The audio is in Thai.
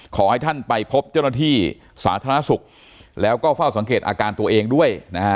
ขอให้ท่านไปพบเจ้าหน้าที่สาธารณสุขแล้วก็เฝ้าสังเกตอาการตัวเองด้วยนะฮะ